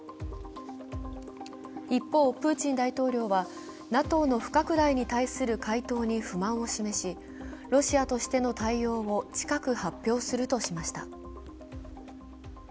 一方、プーチン大統領は、ＮＡＴＯの不拡大に対する回答に不満を示し、ロシアとしての対応を近く発表するとしました。